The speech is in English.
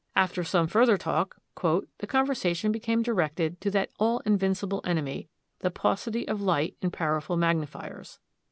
After some further talk, "the conversation became directed to that all invincible enemy, the paucity of light in powerful magnifiers.